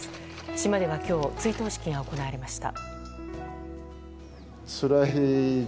島では今日追悼式が行われました。